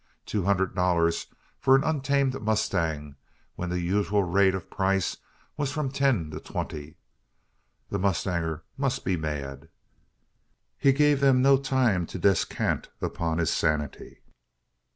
Two hundred dollars for an untamed mustang, when the usual rate of price was from ten to twenty! The mustanger must be mad? He gave them no time to descant upon his sanity.